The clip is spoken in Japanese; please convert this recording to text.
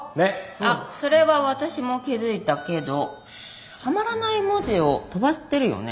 あっそれは私も気付いたけどはまらない文字を飛ばしてるよね。